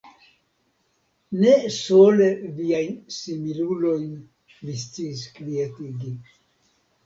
Ne sole viajn similulojn mi sciis kvietigi.